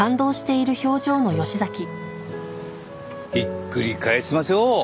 ひっくり返しましょう。